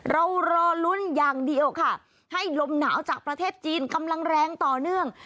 รอลุ้นอย่างเดียวค่ะให้ลมหนาวจากประเทศจีนกำลังแรงต่อเนื่อง